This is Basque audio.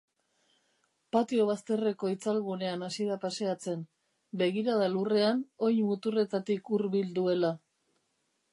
Patio bazterreko itzalgunean hasi da paseatzen, begirada lurrean oin muturretatik hurbil duela.